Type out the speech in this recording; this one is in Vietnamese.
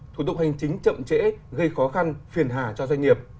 thủ tục hành chính chậm trễ gây khó khăn phiền hà cho doanh nghiệp